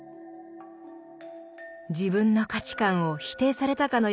自分の価値観を否定されたかのような衝撃を受け